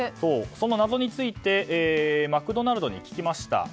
その謎についてマクドナルドに聞きました。